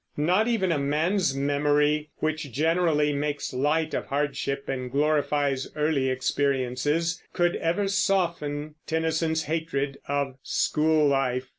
Not even a man's memory, which generally makes light of hardship and glorifies early experiences, could ever soften Tennyson's hatred of school life.